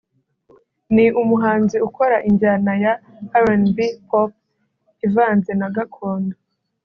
Ni umuhanzi ukora injyana ya RnB/Pop ivanze na Gakondo